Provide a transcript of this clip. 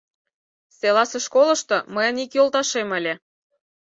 Селасе школышто мыйын ик йолташем ыле.